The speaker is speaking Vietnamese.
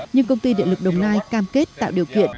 nhưng công ty điện lực đồng nai cam kết tạo điều kiện